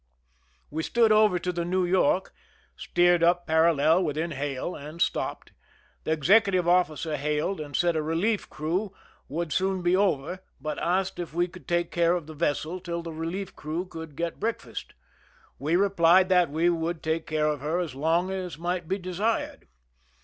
We stood over to the New YorJcj steered up paral lel within hail, and stopped. The executive ojfficer hailed, and said a relief crew would soon be over, but asked if we could take care of the vessel till the relief crew could get breakfast. We replied that we would take care of her as long as might be desired.